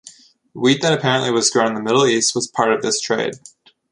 Wheat that apparently was grown in the Middle East was part of this trade.